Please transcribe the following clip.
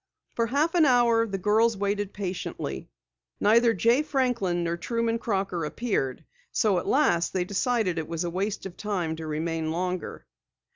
For half an hour the girls waited patiently. Neither Jay Franklin nor Truman Crocker appeared, so at last they decided it was a waste of time to remain longer.